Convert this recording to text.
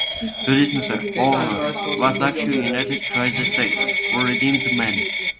To this Messiah, however, was actually united Christ the Saviour, who redeemed men.